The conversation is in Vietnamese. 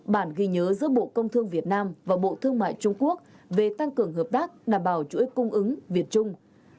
bản ghi nhớ giữa bộ công thương việt nam và bộ thương mại trung quốc về tăng cường hợp tác đảm bảo chuỗi cung ứng việt trung